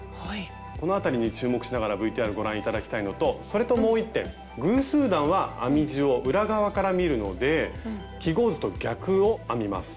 この辺りに注目しながらＶＴＲご覧頂きたいのとそれともう１点偶数段は編み地を裏側から見るので記号図と逆を編みます。